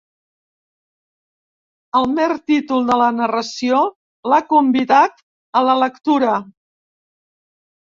El mer títol de la narració l'ha convidat a la lectura.